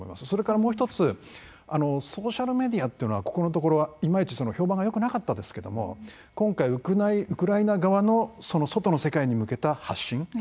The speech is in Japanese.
それから、もう１つソーシャルメディアというのはここのところ、いまいち評判がよくなかったですけども今回ウクライナ側の外の世界に向けた発信。